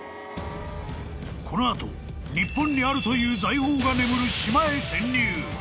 ［この後日本にあるという財宝が眠る島へ潜入］